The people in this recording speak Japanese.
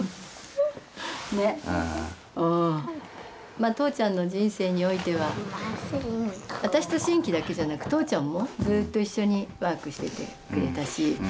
まあ父ちゃんの人生においては私と真気だけじゃなく父ちゃんもずっと一緒にワークしててくれたしね。